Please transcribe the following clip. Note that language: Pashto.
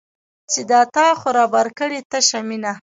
چې دا تا خو رابار کړې تشه مینه